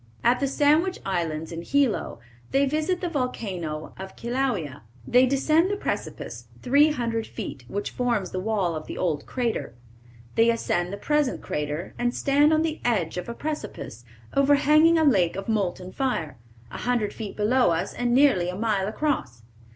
At the Sandwich Islands, in Hilo, they visit the volcano of Kilauea. They descend the precipice, three hundred feet, which forms the wall of the old crater. They ascend the present crater, and stand on the "edge of a precipice, overhanging a lake of molten fire, a hundred feet below us, and nearly a mile across.